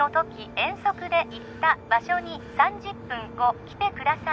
遠足で行った場所に３０分後来てください